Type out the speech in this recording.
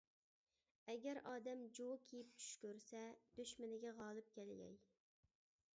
ئەگەر ئادەم جۇۋا كىيىپ چۈش كۆرسە، دۈشمىنىگە غالىب كەلگەي.